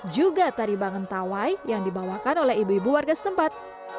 juga tari bangun tawai yang dibawakan oleh ibu ibu warga setempat